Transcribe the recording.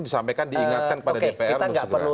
disampaikan diingatkan kepada dpr oke kita gak perlu